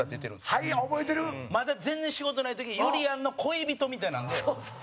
まだ、全然仕事ない時にゆりやんの恋人みたいなんで。